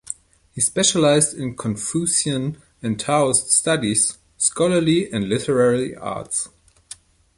He specialised in Confucian and Taoist studies, scholarly and literary arts.